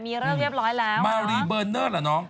มีเลิกเรียบร้อยแล้วมารีเบอร์เนอร์เหรอน้อง